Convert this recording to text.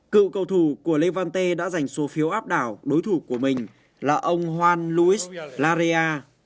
cựu cầu thủ của levante đã giành số phiếu áp đảo đối thủ của mình là ông juan luis larea